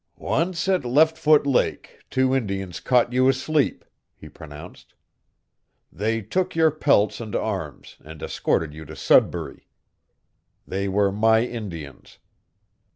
"Once at Leftfoot Lake, two Indians caught you asleep," he pronounced. "They took your pelts and arms, and escorted you to Sudbury. They were my Indians.